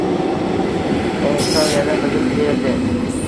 Olsam yana bilim, derdi